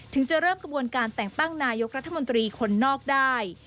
ถึงจะเริ่มกระบวนการแต่งตั้งนายกรัฐมนตรีคนนอกได้